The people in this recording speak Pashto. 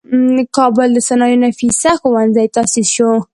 د کابل د صنایعو نفیسه ښوونځی تاسیس شو.